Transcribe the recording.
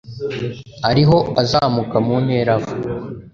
ariho azamuka mu ntera ava